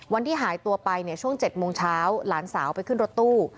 วันที่หายตัวไปเนี่ยช่วง๗โมงเช้าหลานสาวไปขึ้นรถตู้